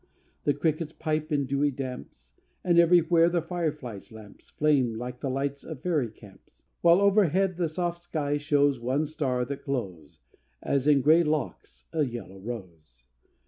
The crickets pipe in dewy damps; And everywhere the fireflies' lamps Flame like the lights of fairy camps; While, overhead, the soft sky shows One star that glows, As, in gray locks, a yellow rose.